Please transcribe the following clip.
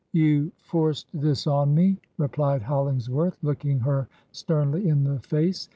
..• 'You forced this on me,' replied HoUingsworth, looking her sternly in the face.